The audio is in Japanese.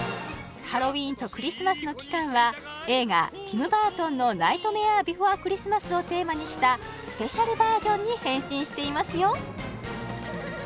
ハロウィーンとクリスマスの期間は映画「ティム・バートンのナイトメアー・ビフォア・クリスマス」をテーマにしたスペシャルバージョンに変身していますよ！